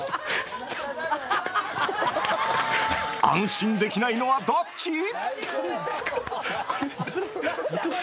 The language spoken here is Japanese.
安心できないのはどっち？